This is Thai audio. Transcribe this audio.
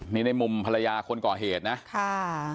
นี่ในมุมภรรยาคนก่อเหตุนะค่ะ